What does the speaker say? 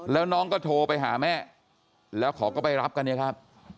แล้วน้องก็โทรไปหาแม่แล้วเขาก็ไปรับกันเนี่ยครับ